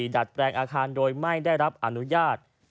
ดัดแปลงอาคารโดยไม่ได้รับอนุญาต